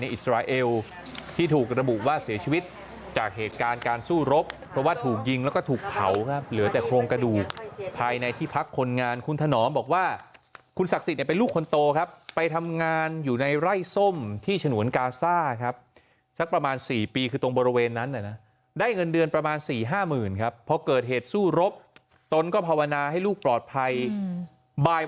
อิสราเอลที่ถูกระบุว่าเสียชีวิตจากเหตุการณ์การสู้รบเพราะว่าถูกยิงแล้วก็ถูกเผาครับเหลือแต่โครงกระดูกภายในที่พักคนงานคุณถนอมบอกว่าคุณศักดิ์สิทธิ์เป็นลูกคนโตครับไปทำงานอยู่ในไร่ส้มที่ฉนวนกาซ่าครับสักประมาณ๔ปีคือตรงบริเวณนั้นน่ะนะได้เงินเดือนประมาณ๔๕หมื่นครับพอเกิดเหตุสู้รบตนก็ภาวนาให้ลูกปลอดภัย